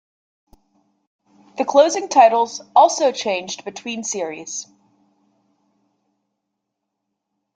The closing titles also changed between series.